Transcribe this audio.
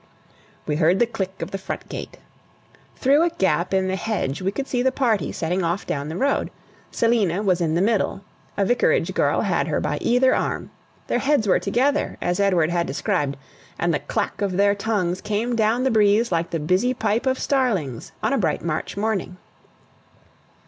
We heard the click of the front gate. Through a gap in the hedge we could see the party setting off down the road. Selina was in the middle: a Vicarage girl had her by either arm; their heads were together, as Edward had described; and the clack of their tongues came down the breeze like the busy pipe of starlings on a bright March morning.